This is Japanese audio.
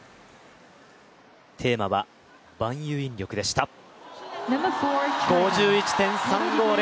テーマは万有引力でした。５１．３５０。